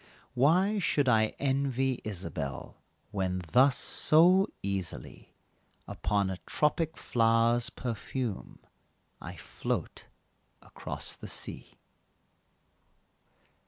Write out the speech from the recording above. Why should I envy Isabelle When thus so easily, Upon a tropic flower's perfume I float across the sea?